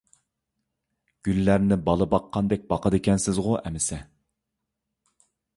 گۈللەرنى بالا باققاندەك باقىدىكەنسىزغۇ ئەمىسە.